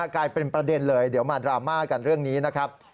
กลายเป็นประเด็นเลยเดี๋ยวมาดราม่ากันเรื่องนี้นะครับ